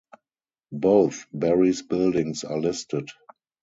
Both Barry's buildings are listed.